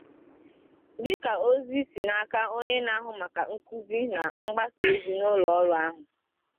Dịka ozi si n'aka onye na-ahụ maka nkuzi na mgbasaozi n'ụlọọrụ ahụ